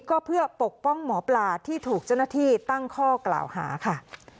ก็เพื่อปกป้องหมอปลาที่ถูกเจ้าหน้าที่ตั้งข้อกล่าวหาค่ะ